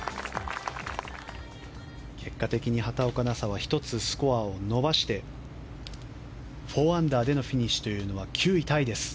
結果的に畑岡奈紗は１つスコアを伸ばして４アンダーでのフィニッシュというのは９位タイです。